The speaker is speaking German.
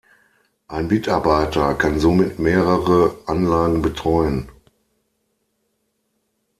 Ein Mitarbeiter kann somit mehrere Anlagen betreuen.